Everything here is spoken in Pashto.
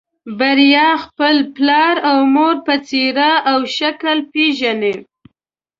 بريا خپل پلار او مور په څېره او شکل پېژني.